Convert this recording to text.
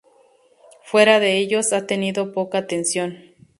Fuera de ellos, ha tenido poca atención.